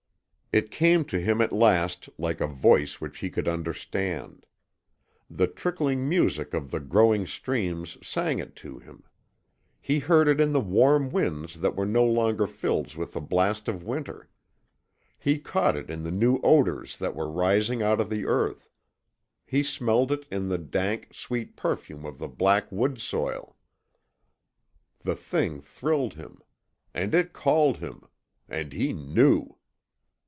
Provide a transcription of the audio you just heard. It came to him at last like a voice which he could understand. The trickling music of the growing streams sang it to him; he heard it in the warm winds that were no longer filled with the blast of winter; he caught it in the new odours that were rising out of the earth; he smelled it in the dank, sweet perfume of the black woods soil. The thing thrilled him. It called him. And he KNEW!